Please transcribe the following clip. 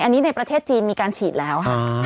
อันนี้ในประเทศจีนมีการฉีดแล้วค่ะ